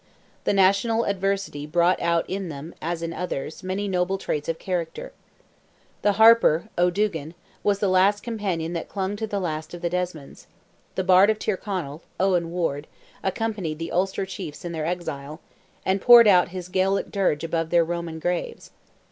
The national adversity brought out in them, as in others, many noble traits of character. The Harper, O'Dugan, was the last companion that clung to the last of the Desmonds; the Bard of Tyrconnell, Owen Ward, accompanied the Ulster chiefs in their exile, and poured out his Gaelic dirge above their Roman graves.